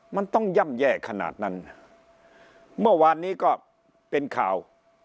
มันต้องย่ำแย่ขนาดนั้นเมื่อวานนี้ก็เป็นข่าว